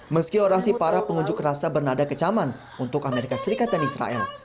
meski orasi para pengunjuk rasa bernada kecaman untuk amerika serikat dan israel